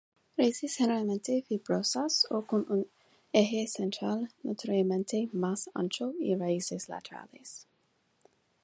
Raíces generalmente fibrosas o con un eje central notoriamente más ancho y raíces laterales.